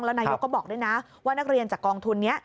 แล้วนายกก็บอกด้วยนะว่านักเรียนจากกองทุนนี้